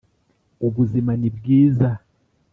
ubuzima ni bwiza